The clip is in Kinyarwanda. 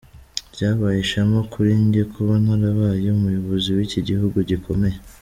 "Ryabaye ishema kuri jye kuba narabaye umuyobozi w'iki gihugu gikomeye.